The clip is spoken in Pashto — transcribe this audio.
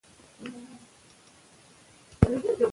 ژبه باید ساده، روانه او واضح وي.